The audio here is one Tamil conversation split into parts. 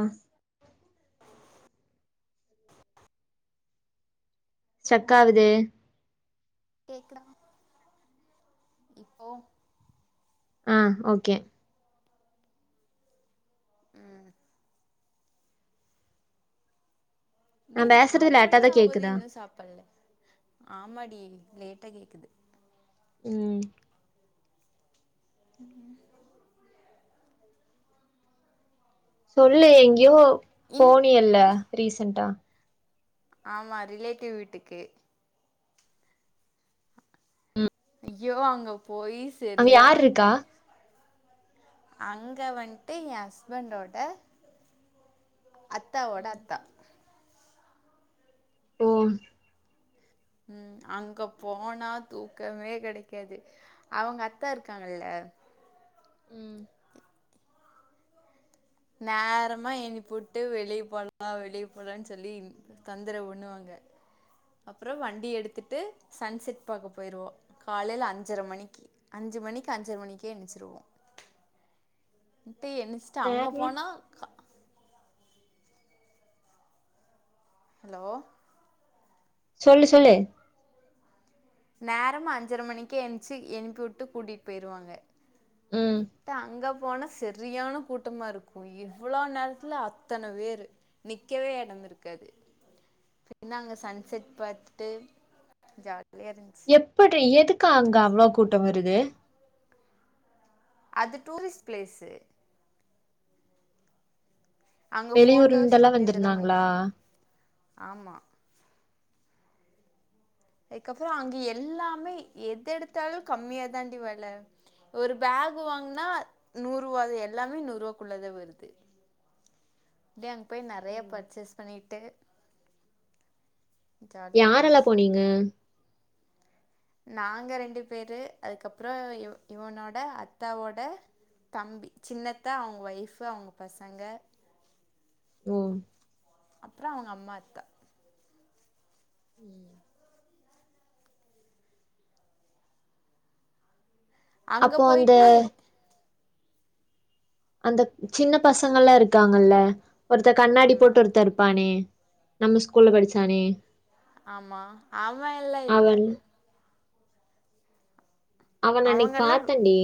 அ ஸ்டக் ஆகுதே கேக்குதா இப்போ அ ஓகே ம் நா டேய் பேசுறது நாலு லேட்டா மணி தா ஆவபோது கேக்குதா இன்னு சாப்பல்ல ஆமாடி லேட்டா கேட்குது ம் ம் சொல்லு எங்கியோ இன் போனியல்ல ரீசன்டா ஆமா ரிலேட்டிவ் வீட்டுக்கு ஐயோ அங்க போயி அங்க யார் சரியான இருக்கா அங்க வன்ட்டு எ ஹஸ்பண்டோட அத்தாவோட ம் அத்தா ஓம் ம் அங்க போனா தூக்கமே கெடைக்காது அவங்க அத்த இருக்காங்கல்ல அ ம் நேரமா எனுப்புட்டு வெளிய போலா வெளிய போலான் சொல்லி தொந்தரவு பண்ணுவாங்க அப்புறோ வண்டி எடுத்துட்டு சன் செட் பாக்க போயிருவோ காலைல அஞ்சர மணிக்கு அஞ் சி மணிக்கு அஞ்சர மணிக்கே எனிச்சிருவோ ட்டு எனிச்சிட்டு அங்க வேறமா போனா ஹலோ சொல்லு சொல்லே நேரம்மா அஞ்சர மணிக்கே என்சி எனுப்பிவுட்டு கூட்டிட்டு போயிருவாங்க ம் தா அங்கப் போன செரியான கூட்டமாருக்கோ இவ்ளோ நேரத்தில அத்தன பேரு நிக்கவே எடம் மிருக்காது பின்ன அங்க சன் செட் பாத்துட்டு ஜால் எப்புட்ரி எதுக்கு அங்க அவ்ளோ கூட்ட வருது அது டூரிஸ்ட் பிளேஸு அங்க வெளியூர்ல இருந்தெல்லா போட்டோஷூட்டு இதெல்லா வந்திருந்தாங்களா பண்ணுவாங்க ஆமா அதுக்கப்ற அங்க எல்லாமே எதெடுத்தாலு கம்மியா தான்டி வெல ஒரு பேகு வாங்னா நூறுவாதே எல்லாமே நூறுவாக்குள்ளதே வருது தே அங்க போய் நெறையா பர்ச்சேஸ் பண்ணிட்டு ஜாலியா யாரெல்லா இருந்துச்சு போனீங்க நாங்க ரெண்டு பேரு அதுக்கப்றோ இவ் இவனோட அத்தாவோட தம்பி சின்னத்தா அவ்ங்க ஒய்ஃபு அவுங்க பசங்க ஓ அப்ற அவுங்க அம்மா அத்தா ம் அங்க அப்போ அந்த போயிட்டு அந்த சின்ன பசங்கள்லா இருக்காங்கள்ல ஒருத்த கண்ணாடி ஆமா போட்டு ஒருத்த இருப்பானே நம்ம ஸ்கூல்ல படிச்சானே ஆமா அவ எல்லா இல்ல அவன் அவன அன்னைக்கு அவங்கல்லா பாத்தன்டி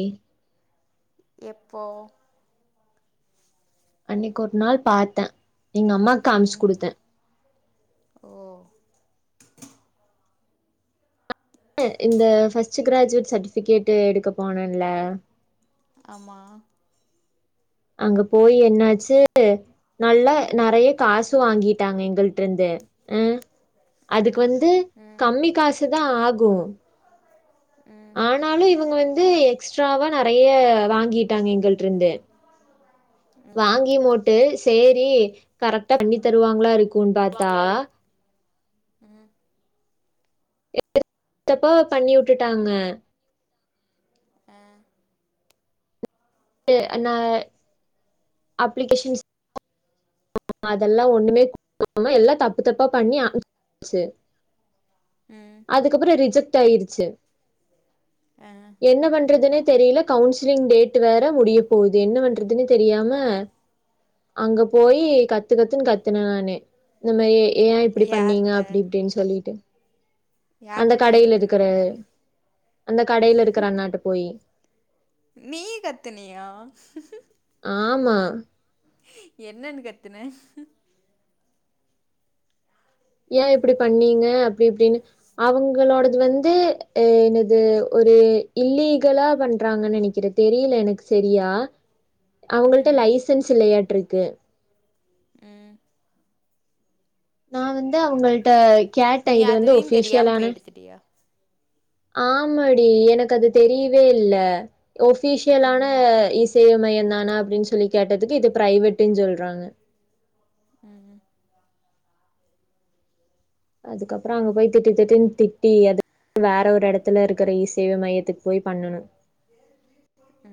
எப்போ அன்னைக்கு ஒரு நாள் பாத்தே எங்க அம்மாக்கு காமிச்சு ம் குடுத்தே ஓ கு இந்த ஃபஸ்ட்டு கிராஜுவேட் சர்ட்டிஃபிகேட்டு எடுக்க போனன்ல ஆமா அங்க போய் என்னாச்சு நல்லா நெறைய காசு வாங்கிட்டாங்க எங்கள்ட்ருந்து அ அதுக்கு ம் வந்து ம் கம்மி காசு தா ஆகு ஆனாலு இவுங்க வந்து எக்ஸ்ட்ராவா நெறைய வாங்கிட்டாங்க எங்கள்ட்ருந்து ம் வாங்கியு மோட்டு சேரி கரெக்ட்டா பண்ணி தருவாங்ளா இருக் குன் பாத்தா ம் எப் [inaudible] தப்பா பண்ணி உட்டுட்டாங்க அ எ அண்ணா அப்ளிகேஷன்ஸ் அதெல்லா ஒன்னுமே [inaudible] காம எல்லா தப்பு தப்பா பண்ணி அ [inaudible] ச்சு ம் அதுக்கப்பற ரிஜெக்ட் ஆயிருச்சு அ என்ன பண்றதுனே தெரியல கவுன்சிலிங் டேட் வேற முடிய போகுது என்ன பண்றதுன்னு தெரியாம அங்க போயி கத்து கத்துன்னு கத்து நானு இந்த மாரி ஏ இப்டி பண்ணீங்க யார்ட்ட அப்டி இப்டின் சொல்லிட்டு அந்த யார்ட்ட போய் கடையில கத்துன இதுக்குற அந்த கடையில இருக்குற அண்ணாட்ட போயி நீ கத்துனியா ஆமா என்னன்னு கத்துன ஏ இப்டி பண்ணீங்க அப்டி இப்டின்னு அவ்ங்களோடது வந்து அ என்னது ஒ ரு இல்லீகலா பண்றாங்கன் நெனைக்கிறே தெரியல எனக்கு செரியா அவுங்கள்ட்ட லைசன்ஸ் இல்லையாட்ருக்கு ம் நா வந்து அவுங்கள்ட்ட கேட்டே நீ இது வந்து அதையு தெரியாம போய் ஒஃபிஷியலான எடுத்துட்டியா ஆமாடி எனக்கு அது தெரியவே இல்ல ஒஃபிஷியலான ம் இஸ் சேவை மையந்தானா அப்டின் சொல்லி கேட்டதுக்கு இது ப்ரைவேட்டுன் சொல்றாங்க ம் ம் அதுக்கப்ற அங்க போய் திட்டு திட்டுன் திட்டி அது வேற ஒரு எடத்துல இருக்கிற இ சேவை மையத்துக்கு போய் பண்ணனு அ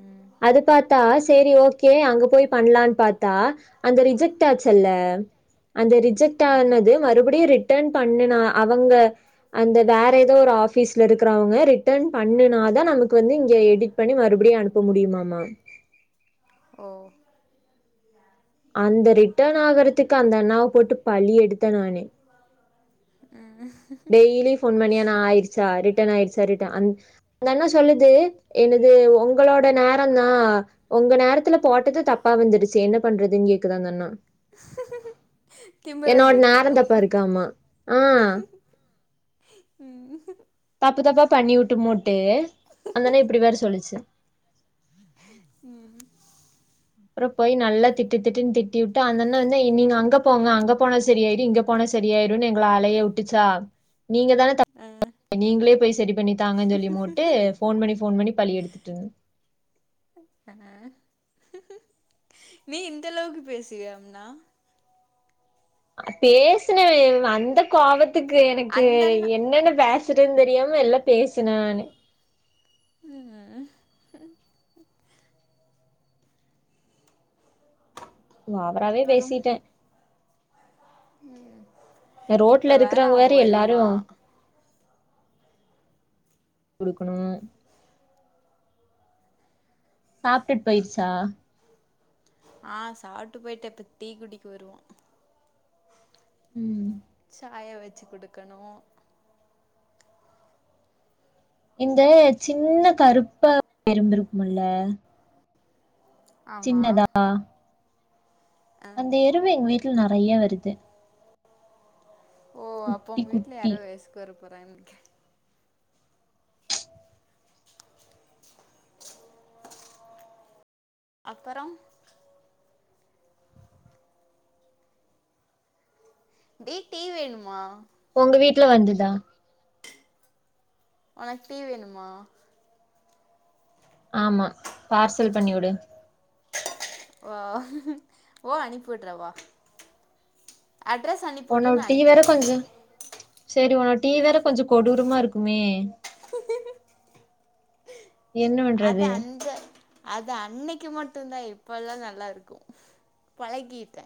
அது பாத்தா சேரி ஓகே அங்க போய் பண்லான் பாத்தா அந்த ரிஜெக்ட் ஆச்சுல்ல அந் அந்த ரிஜெக்ட் ஆமா ஆனது மறுபடியூ ரிட்டன் பண்ணுனா அவங்க அந்த வேறெதோ ஒரு ஆஃபீஸ்லருக்கிறவுங்க ரிட்டன் பண்ணுனாதா நமக்கு வந்து இங்க பெ எடிட் பண்ணி மறுபடியு அனுப்ப முடியுமாமா ஓ அந்த ரிட்டன் ஆகுறதுக்கு அந்தண்ணாவ போட்டு பழி எடுத்தே நானு ம் ம் டெய்லி ஃபோன் பண்ணி அண்ணா ஆயிட்ச்சா ரிட்டன் ஆயிச்சா ரிட் த அண் அந்தண்ணா சொல்லுது எனது உங்களோட நேரந்தா உங்க நேரத்துல போட்டது தப்பா வந்துருச்சு என்ன பண்றதுன் கேக்குது அந்தண்ணா திமிரா என்னோட கேக்குதா நேரோந்தப்பா இருக்காமா ஆ ம் தப்பு தப்பா பண்ணி உட்டுமோட்டு அந்தண்ணே இப்டி வேற சொல்லிச்சு [inaudible] ம் அப்றோ போய் நல்லா திட்டு திட்டுன் திட்டிவுட்டு அந்தண்ணா வந்து நீங்க அங்க போங்க அங்க போனா செரி ஆயிடூ இங்க போனா செ ரி ஆயிரூனு எங்ள அலையவுட்டுச்சா நீங்க தானே அ தப் நீங்களே போய் செரி பண்ணி தாங்கன் சொல்லிமோட்டு ஃபோன் பண்ணி ஃபோன் பண்ணி பழி எடுத்துட்டுன் தனா நீ இந்தளவுக்கு பேசுவியாம்னா பேசுனே வந்த கோவத்துக்கு எனக்கு அந்தண்ணா என்னென்னு பேஸ் திடன் தெரியாம எல்லா பேசுனே நானு ஓவராவே பேசிட்டே ம் ரோட்லருக்கறவுங்க வேற எல்லாரூ குடுக்கணூ சாப்டுட் போயிருச்சா ஆ சாப்ட்டு போய்ட்ட இப்ப டீ குடிக்க வருவா ம் சாயா வெச்சு குடுக்கணூ இந்த சின்ன கருப்பா எறும்பிருக்குமுல்ல ஆமா சின்னதா ஆ அந்த எறும்பு எங்க வீட்ல நறைய வருது ஓ அப்ப குட்டி உங்க வீட்ல குட்டி யாரோ வயசுக்கு வர போறாங்கன் நெனக்றே அப்பறோ டே டீ வேணுமா உங்க வீட்ல வந்துதா ஒனக் டீ வேணுமா ஆமா பார்சல் பண்ணிவுடு ஓ ஓ அனுப்பிவிட்றே வா அட்ரஸ் அனுப்பிவிடு நா அனுப்பிவிட்றே செரி ஒன்னோ டீ வேற கொஞ்சோ கொடூரமா இருக்குமே என்ன அது பண்றது அந்த அது அன்னிக்கி மட் டுந்தா இப்பல்ல நல்லாருக்கூ பழகீட்டே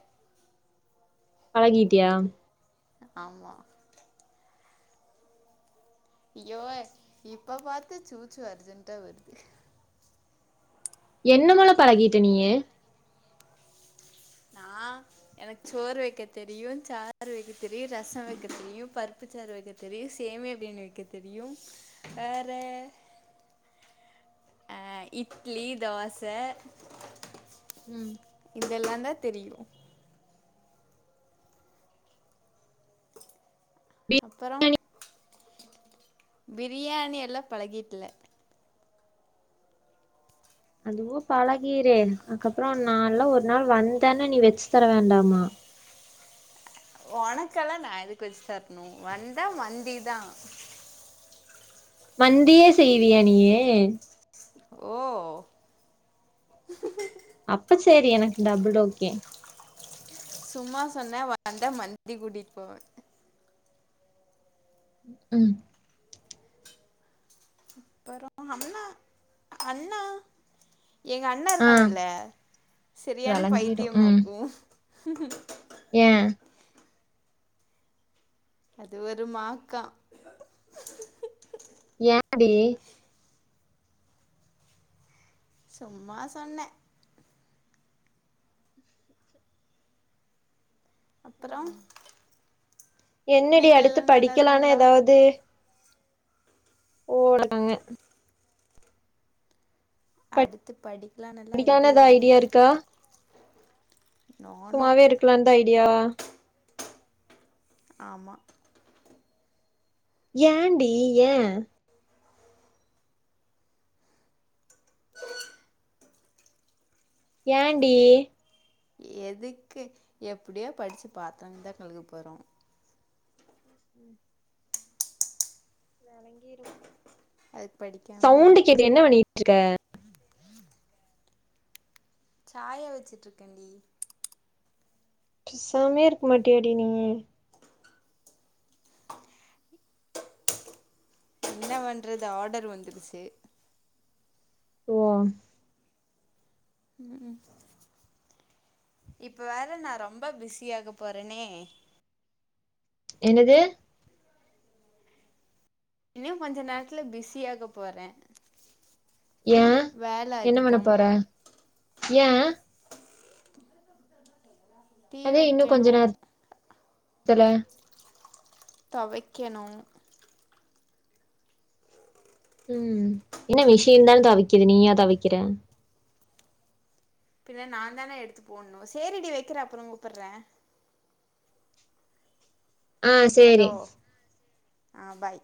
பழகிட்டியா ஆமா இயோ இப்ப பாத்து சூச்சு அர்ஜென்டா வருது என்னமாலா பழகிட்ட நீயி நான் எனக்கு சோறு வக்க தெரியு சாறு வக்க தெரியு ரசம் வக்க தெரியு பருப்பு சோறு வக்க தெரியு சேமியா பியாணி வக்க தெரியு வேற அ இட்லி தோச ம் இதெல்லாந்தா தெரியு அப்பறோ பிரியாணி எல்லா பழகிக்கல அதுவு பழகிரே அதுக்கப்றோ நான்ல்ல ஒரு நாள் வந்தன்ன நீ வெச்சு தர வேண்டாமா உனக்கல்லா நா எதுக்கு வச்சு தரணு வந்தா வந்தா மந்திதா மந்தியே செய்வியா நீயி ஓ அப்ப சரி எனக்கு டபுள் ஓகே சும்மா சொன்னேன வந்தா மந்தி கூட்டிட்டு போவ ம் அப்பறோ அண்ணா அண்ணா எங் அண்ணா ஆ இருக்காங்கல்ல சரியான வெளங்கிடு ம் பைத்தியமாக்கு ஏ அது ஒரு மாக்கா ஏ டி சும்மா சொன்ன அப்புறோ என்னடி வீட்ல அடுத்து எல்லா நல்லா படிக்கலானா இருக்காங்களா எதாவ்து [inaudible] அடுத்து படி படிக்களான்ன எதா ஐடியா இருக்கா நானு சும்மாவே இருக்குலான்தா ஐடியாவா ஆமா ஏன்டி ஏ ஏன்டி எதுக்கு எப்டியோ படிச்சு பாத்ரம் தா கழுவப் போறோ விளங்கிரு அது சவுண்டு கேட்டு என்ன பண்ணிகிட்ருக்க சாய வச்சிட்ருக்கண்டி பெசாம்யே இருக் மாட்யாடி நீயி என்ன பண்றது ஆடர் வந்துர்ச்சு ஓ ம் இப்ப வேற நா ரொம்ப பிஸியாக போறனே என்னது இன்ன கொஞ்ச நேரத்துல பிஸியாக போற ஏ என்ன பண்ண போற ஏ டீ வக்கணு தல தொவைக்கணு ம் என்ன விசின் தான தொவக்கிது நீயா தொவக்கிற நாந்தான எடுத்து போட்ணு சேரி டி வக்கிற அப்புற கூப்புட்ற அ சேரி அ பாய்